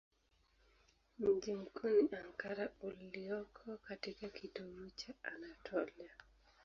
Mji mkuu ni Ankara ulioko katika kitovu cha Anatolia.